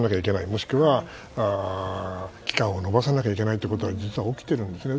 そして、期間を延ばさなきゃいけないということが実は起きているんですね。